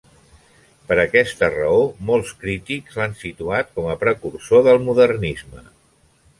Per aquesta raó, molts crítics l'han situat com a precursor del modernisme.